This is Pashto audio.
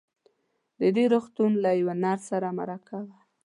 د دې روغتون له يوه نرس سره مرکه وه.